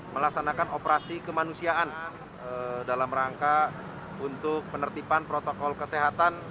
melaksanakan operasi kemanusiaan dalam rangka untuk penertiban protokol kesehatan